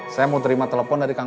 jangan landisk tetap dua magang